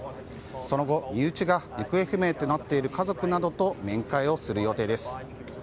その後、身内が行方不明となっている家族などと面会をする予定です。